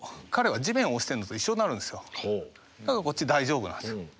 だから大丈夫なんですよ。